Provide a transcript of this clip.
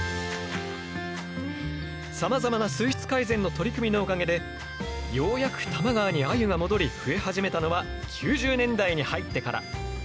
さまざまな水質改善の取り組みのおかげでようやく多摩川にアユが戻り増え始めたのは９０年代に入ってから。